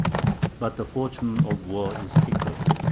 ] But the fortune of war is fickle.